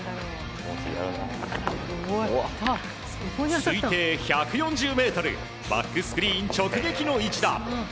推定１４０ｍバックスクリーン直撃の一打。